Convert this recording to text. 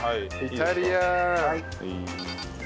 イタリアン。